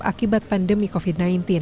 akibat pandemi covid sembilan belas